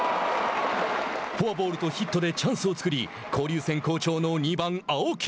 フォアボールとヒットでチャンスを作り交流戦好調の２番青木。